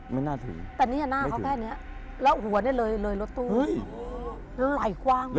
หน้าเขาแค่นี้อ่ะแล้วหัวนี้เลยรถตู้นะเนี่ยลายกว้างมาก